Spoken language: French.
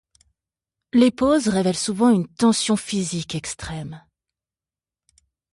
Les poses révèlent souvent une tension physique extrême.